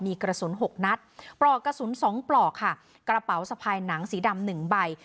มีกระสุนหกนัดปลอกกระสุนสองปลอกค่ะกระเป๋าสะพายหนังสีดำหนึ่งใบ